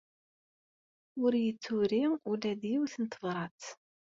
Ur iyi-d-turi ula d yiwet n tebṛat.